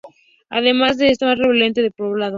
Además es la más relevante del Poblado.